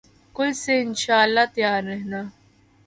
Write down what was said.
کل سے ان شاءاللہ تیار رہنا